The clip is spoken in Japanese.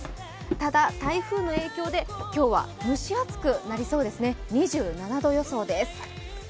ただ、台風の影響で今日は蒸し暑くなりそうですね、２７度予想です。